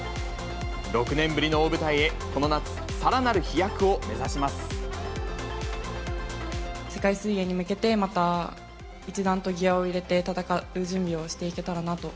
６年ぶりの大舞台へ、この夏、世界水泳に向けて、また一段とギアを入れて、戦う準備をしていけたらなと。